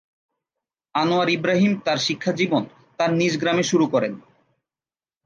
Anwar Ibrahim তার শিক্ষাজীবন তার নিজ গ্রামে শুরু করেন।